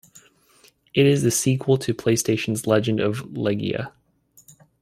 It is the sequel to PlayStation's "Legend of Legaia".